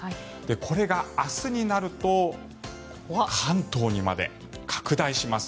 これが明日になると関東にまで拡大します。